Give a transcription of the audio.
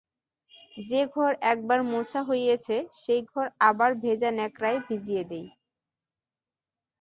যে-ঘর একবার মোছা হয়েছে সেই ঘর আবার ভেজা ন্যাকড়ায় ভিজিয়ে দিই।